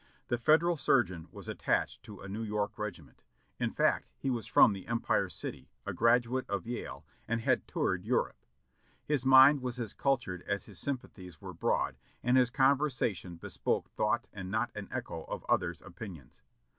The Federal surgeon was attached to a New York regiment, in fact he was from the Empire City, a graduate of Yale, and had toured Europe. His mind was as cultured as his sympathies were broad, and his con versation bespoke thought and not an echo of others' opinions.